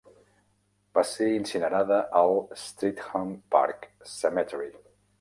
Va ser incinerada al Streatham Park Cemetery.